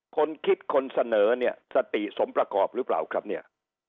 คนคิดคนเสนอเนี่ยสติสมประกอบหรือเปล่าครับเนี่ย